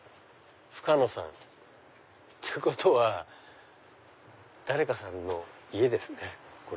深野さん。ってことは誰かさんの家ですね。